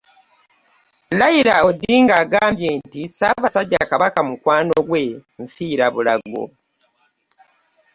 Raila Odinga agambye nti ssaabasajja Kabaka mukwano gwe nfiira bulago